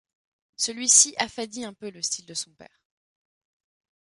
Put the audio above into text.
Celui-ci affadit un peu le style de son père.